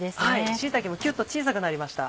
椎茸もキュっと小さくなりました。